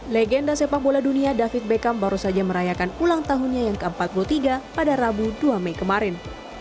legenda sepak bola dunia david beckham baru saja merayakan ulang tahunnya yang ke empat puluh tiga pada rabu dua mei kemarin